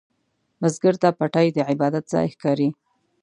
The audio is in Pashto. بزګر ته پټی د عبادت ځای ښکاري